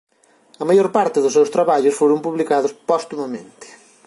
A maior parte dos seus traballos foron publicados postumamente.